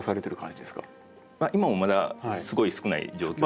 今もまだすごい少ない状況です。